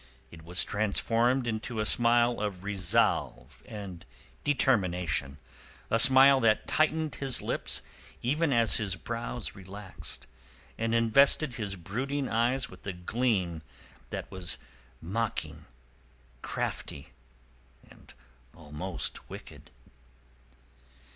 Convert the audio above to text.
It was transformed into a smile of resolve and determination, a smile that tightened his lips even as his brows relaxed, and invested his brooding eyes with a gleam that was mocking, crafty and almost wicked.